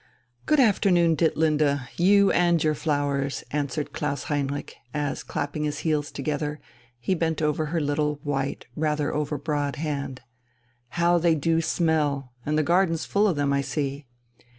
"Good afternoon, Ditlinde, you and your flowers!" answered Klaus Heinrich, as, clapping his heels together, he bent over her little, white, rather over broad hand. "How they do smell! And the garden's full of them, I see."